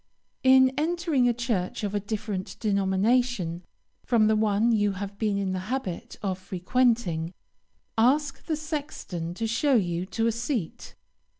In entering a church of a different denomination from the one you have been in the habit of frequenting, ask the sexton to show you to a seat.